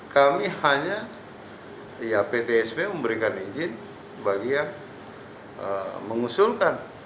kami hanya ya ptsp memberikan izin bagi yang mengusulkan